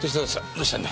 どうしたんだ？